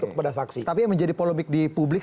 kepada saksi tapi yang menjadi polemik di publik